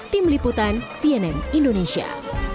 tim liputan cnn indonesia